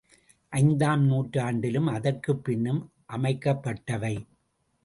ஐந்தாம் நூற்றாண்டிலும் அதற்குப் பின்னும் அமைக்கப்பட்டவை.